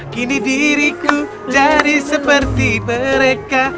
gini diriku jadi seperti mereka